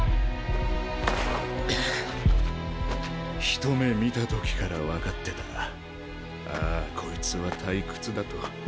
ひと目見たときから分かってた「ああこいつは退屈だ」と。